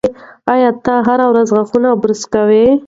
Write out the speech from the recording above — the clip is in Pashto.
ایا ته هره ورځ غاښونه برس کوې؟